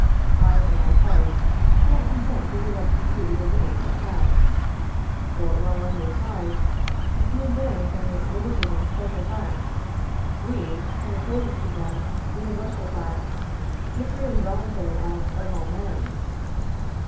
I, for my part, cannot consent to give up to you the domain of facts; for while on your side you can advance only limited and special facts, we can oppose to them universal facts, the free and voluntary acts of all men.